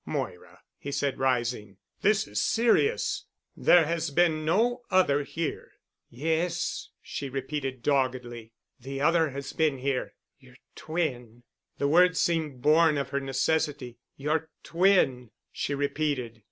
"Moira," he said, rising, "this is serious. There has been no other here." "Yes," she repeated doggedly, "the other has been here—your twin——" The word seemed born of her necessity. "Your twin," she repeated.